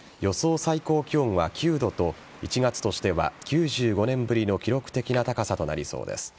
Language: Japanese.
最高気温は９度と１月としては９５年ぶりの記録的な高さとなりそうです。